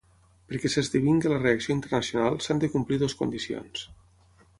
Perquè s’esdevingui la reacció internacional s’han de complir dues condicions.